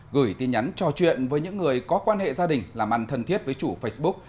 gửi tin nhắn trò chuyện với những người có quan hệ gia đình làm ăn thân thiết với chủ facebook